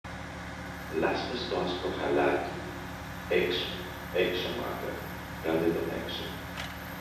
Λάσπες στο άσπρο χαλάκι! Έξω! Έξω, Μάγκα! Βγάλτε τον έξω!